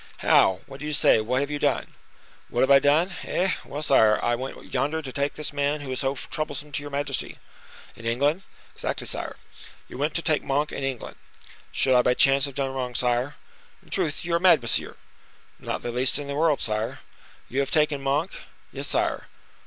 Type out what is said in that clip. "How! What do you say? What have you done?" "What have I done? Eh! well, sire, I went yonder to take this man who is so troublesome to your majesty." "In England?" "Exactly, sire." "You went to take Monk in England?" "Should I by chance have done wrong, sire?" "In truth, you are mad, monsieur!" "Not the least in the world, sire." "You have taken Monk?" "Yes, sire."